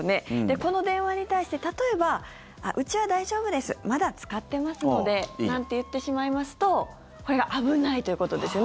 この電話に対して例えば、うちは大丈夫ですまだ使っていますのでなんて言ってしまいますとこれが危ないということですよね